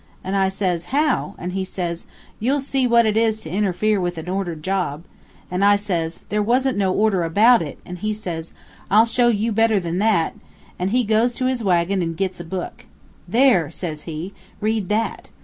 An' says I, 'How? 'An' says he, 'You'll see what it is to interfere with a ordered job.' An' says I, 'There wasn't no order about it;' an' says he, 'I'll show you better than that;' an' he goes to his wagon an' gits a book. 'There,' says he, 'read that.'